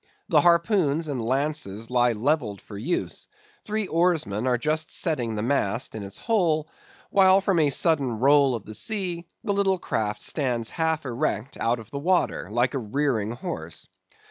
The harpoons and lances lie levelled for use; three oarsmen are just setting the mast in its hole; while from a sudden roll of the sea, the little craft stands half erect out of the water, like a rearing horse.